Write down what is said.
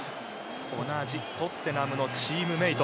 同じトッテナムのチームメート。